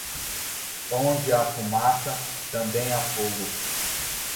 Onde há fumaça, também há fogo.